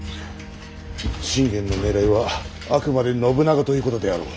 信玄の狙いはあくまで信長ということであろう。